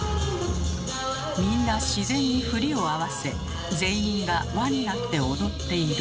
みんな自然に振りを合わせ全員が輪になって踊っている。